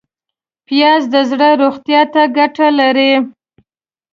پیاز د زړه روغتیا ته ګټه لري